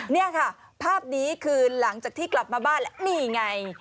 นี่ค่ะภาพนี้คือหลังจากที่กลับมาบ้านแล้วนี่ไง